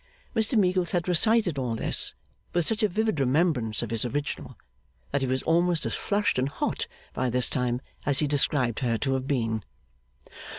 Mr Meagles had recited all this with such a vivid remembrance of his original, that he was almost as flushed and hot by this time as he described her to have been.